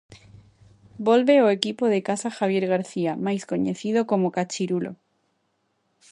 Volve ó equipo da casa Javier García, máis coñecido como cachirulo.